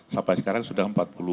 sampai sekarang sudah empat puluh lima